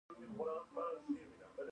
هغوی د نجونو د زده کړو پرېکړه نه کوله.